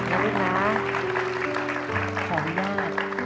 ก็คืออีกวิธีหนึ่งที่พวกเขาจะพาครอบครัวมาใช้โอกาสแก้วิกฤตในชีวิตด้วยกัน